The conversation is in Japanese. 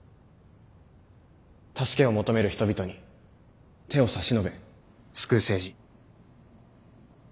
助けを求める人々に手を差し伸べ救う政治。